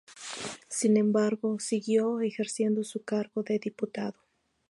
Sin embargo, siguió ejerciendo su cargo de diputado.